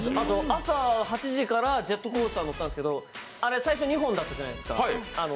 朝８時からジェットコースター乗ったんですけど、あれ、最初２本だったじゃないですか。